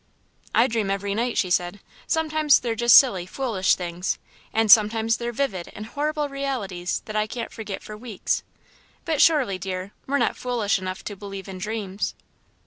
"I dream every night," she said. "Sometimes they're just silly, foolish things and sometimes they're vivid and horrible realities that I can't forget for weeks. But, surely, dear, we're not foolish enough to believe in dreams?"